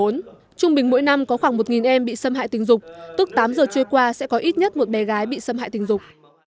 trung bình mỗi năm có khoảng một em bị xâm hại tình dục tức tám giờ trôi qua sẽ có ít nhất một bé gái bị xâm hại tình dục